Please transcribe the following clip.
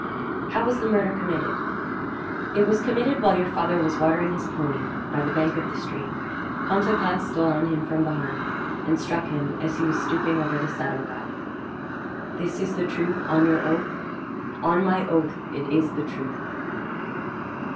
"How was the murder committed?" "It was committed while your father was watering his pony by the bank of the stream. Cantegrel stole on him from behind, and struck him as he was stooping over the saddle bow." "This is the truth, on your oath?" "On my oath, it is the truth."